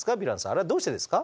あれはどうしてですか？